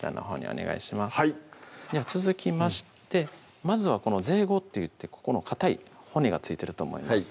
はい続きましてまずはこのぜいごっていってここのかたい骨が付いてると思います